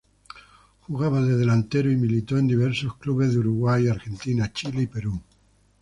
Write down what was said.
Jugaba de delantero y militó en diversos clubes de Uruguay, Argentina, Chile y Perú.